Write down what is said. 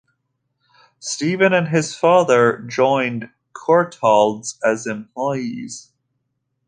Stephen and his father joined Courtaulds as employees.